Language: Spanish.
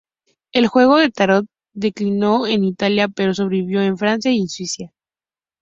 El juego del tarot declinó en Italia pero sobrevivió en Francia y Suiza.